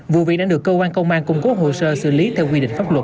vụ việc đang được cơ quan công an cung cố hồ sơ xử lý theo quy định pháp luật